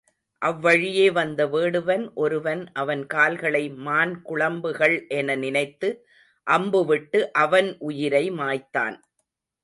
அவ்வழியே வந்த வேடுவன் ஒருவன் அவன் கால்களை மான் குளம்புகள் என நினைத்து அம்புவிட்டு அவன் உயிரை மாய்த்தான்.